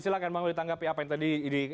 silahkan bang will tanggapi apa yang tadi